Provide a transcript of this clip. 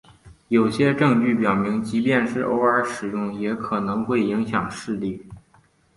有些证据表明即便是偶尔使用也可能会影响视力。